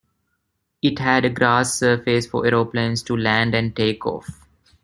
It had a grass surface for aeroplanes to land and take off.